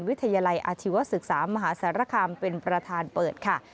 วิทยาลัยอาชีวศึกษามหาสารคามเป็นประธานเปิดค่ะ